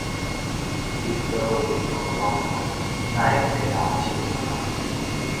你佗位無爽快，哪會咧流凊汗？